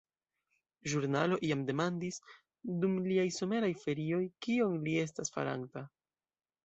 Ĵurnalo iam demandis, dum liaj someraj ferioj, kion li estas faranta.